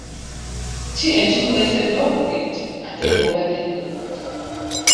Ki ekikuleetedde okugejja ate nga obadde tolya?